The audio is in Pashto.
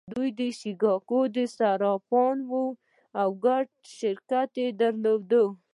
دوی د شیکاګو صرافان وو او ګډ شرکت یې درلود